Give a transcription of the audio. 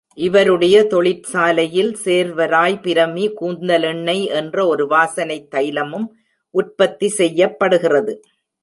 இவருடைய தொழிற்சாலையில் சேர்வராய் பிரமி கூந்தலெண்ணெய் என்ற ஒரு வாசனைத் தைலமும் உற்பத்தி செய்யப்படுகிறது.